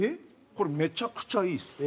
これめちゃくちゃいいです。